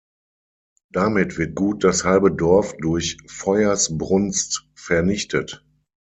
Damit wird gut das halbe Dorf durch Feuersbrunst vernichtet.